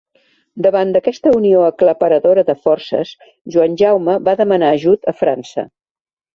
Davant d'aquesta unió aclaparadora de forces, Joan Jaume va demanar ajut a França.